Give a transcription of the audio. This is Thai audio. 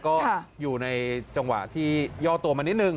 ก็อยู่ในจังหวะที่ย่อตัวมานิดนึง